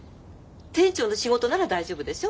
店長の仕事なら大丈夫でしょ？